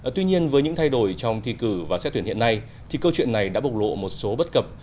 tuy nhiên với những thay đổi trong thi cử và xét tuyển hiện nay thì câu chuyện này đã bộc lộ một số bất cập